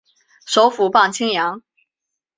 首府磅清扬。